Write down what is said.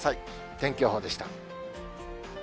天気予報でした。